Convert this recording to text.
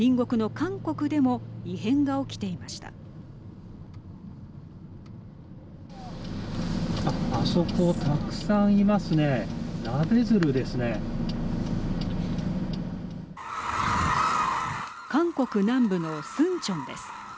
韓国南部のスンチョンです。